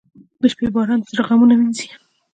• د شپې باران د زړه غمونه وینځي.